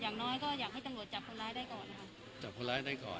อย่างน้อยก็อยากให้จังหลวดจับคนร้ายได้ก่อน